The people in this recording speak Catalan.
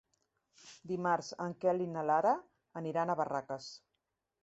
Dimarts en Quel i na Lara aniran a Barraques.